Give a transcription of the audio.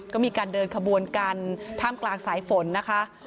ก็มีการเดินขบวนกันท่ามกลางสายฝนนะคะ